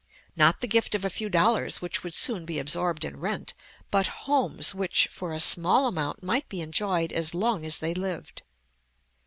not the gift of a few dollars, which would soon be absorbed in rent, but homes which for a small amount might be enjoyed as long as they lived.